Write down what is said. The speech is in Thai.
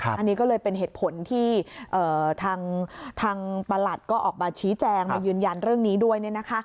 อันนี้ก็เลยเป็นเหตุผลที่ทางประหลัดก็ออกมาชี้แจงมายืนยันเรื่องนี้ด้วย